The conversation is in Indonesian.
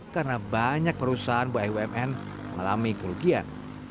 karena banyak perusahaan bumn mengalami kerugian